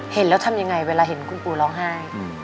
เห็นแล้วทำยังไงเวลาเห็นคุณปู่ร้องไห้